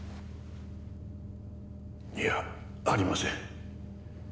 いやありません。